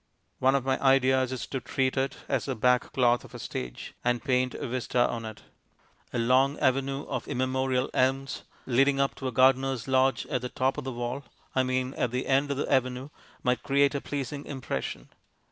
One of my ideas is to treat it as the back cloth of a stage, and paint a vista on it. A long avenue of immemorial elms, leading up to a gardener's lodge at the top of the wall I mean at the end of the avenue might create a pleasing impression.